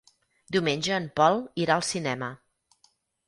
Diumenge en Pol irà al cinema.